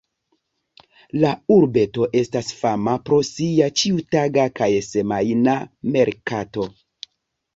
La urbeto estas fama pro sia ĉiutaga kaj semajna merkato.